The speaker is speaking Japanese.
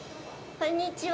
こんにちは。